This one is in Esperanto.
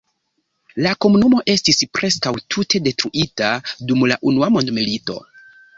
La komunumo estis preskaŭ tute detruita dum la Unua mondmilito.